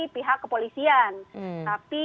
pihak kepolisian tapi